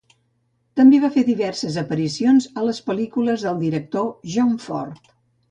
També va fer diverses aparicions a les pel·lícules del director John Ford.